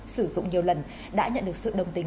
sử dụng nhiều lần đã nhận được sự đồng tình